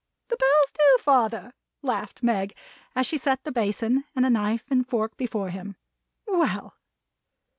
"The Bells do, father!" laughed Meg, as she set the basin, and a knife and fork before him. "Well!"